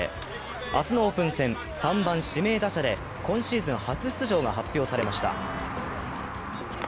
明日のオープン戦、３番・指名打者で今シーズン初出場が発表されました。